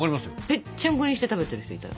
ぺっちゃんこにして食べてる人いたよ。